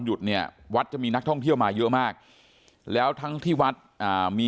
หยุดเนี่ยวัดจะมีนักท่องเที่ยวมาเยอะมากแล้วทั้งที่วัดอ่ามี